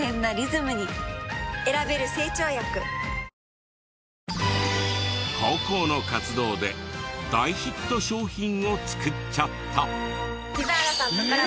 三菱電機高校の活動で大ヒット商品を作っちゃった！